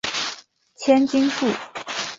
千筋树